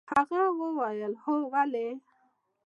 هغه وويل هو ولې.